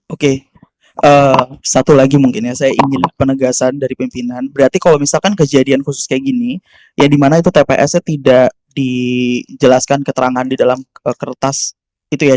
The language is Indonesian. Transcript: oke satu lagi mungkin ya saya ingin penegasan dari pimpinan berarti kalau misalkan kejadian khusus kayak gini ya dimana itu tps nya tidak dijelaskan keterangan di dalam kertas itu ya